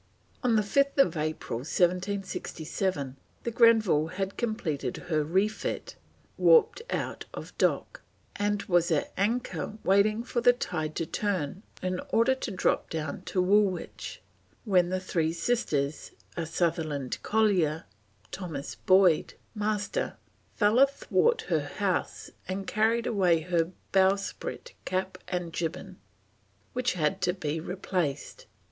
On 5th April 1767 the Grenville had completed her refit, warped out of dock, and was at anchor waiting for the tide to turn in order to drop down to Woolwich, when the Three Sisters, a Sunderland collier, Thomas Boyd, Master, "fell athwart her hawse and carried away her bowsprit, cap, and jibboom," which had to be replaced.